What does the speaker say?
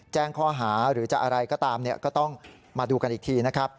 แจ้งข้อหาหรือจะอะไรก็ตามก็ต้องมาดูกันอีกทีนะครับ